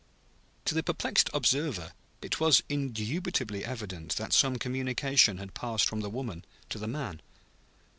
To the perplexed observer it was indubitably evident that some communication had passed from the woman to the man.